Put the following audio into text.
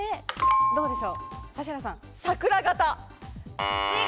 どうでしょう？